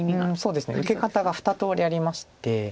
そうですね受け方が２通りありまして。